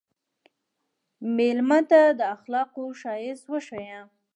مېلمه ته د اخلاقو ښایست وښیه.